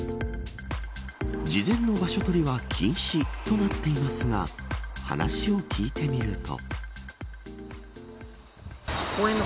事前の場所取りは禁止となっていますが話を聞いてみると。